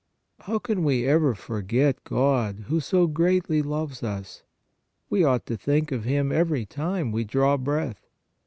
How can we ever for get God who so greatly loves us? We ought to think of Him every time we draw breath.